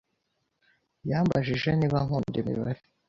Yambajije niba nkunda imibare.